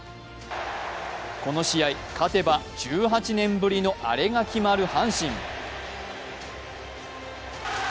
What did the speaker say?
この試合、勝てば１８年ぶりのアレが決まる阪神。